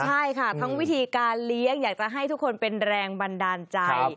ใช่ค่ะทั้งวิธีการเลี้ยงอยากจะให้ทุกคนเป็นแรงบันดาลใจ